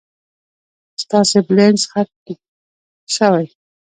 ستاسي بلينس ختم شوي